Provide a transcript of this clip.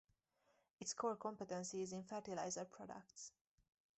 Its core competency is in fertiliser products.